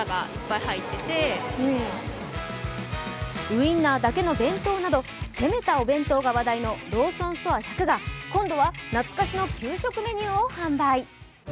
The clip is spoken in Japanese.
ウインナーだけの弁当など攻めたお弁当が話題のローソンストア１００が今度は懐かしの給食メニューを販売。